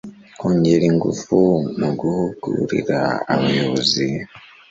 kongera ingufu mu guhugurira abayobozi